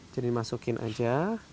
jadi dimasukin aja